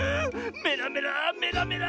メラメラメラメラ！